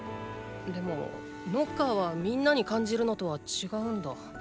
でもノッカーはみんなに感じるのとは違うんだ。